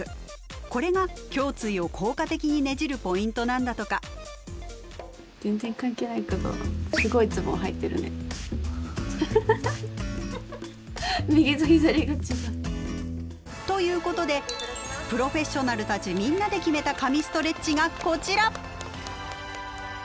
これが胸椎を効果的にねじるポイントなんだとか。ということでプロフェッショナルたちみんなで決めた「神ストレッチ」がこちら！